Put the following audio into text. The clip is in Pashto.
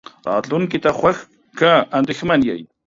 راتلونکې ته خوښ که اندېښمن يې.